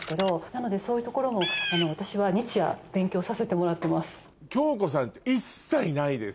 なのでそういうところも私は日夜勉強させてもらってます。